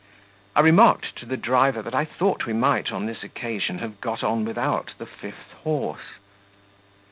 I remarked to the driver that I thought we might on this occasion have got on without the fifth horse....